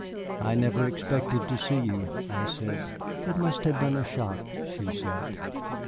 "I never expected to see you," I said. "It must have been a shock," she said.